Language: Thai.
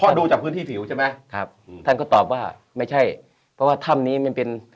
พอดูจากพื้นที่ผิวใช่ไหมครับท่านก็ตอบว่าไม่ใช่เพราะว่าถ้ำนี้มันเป็น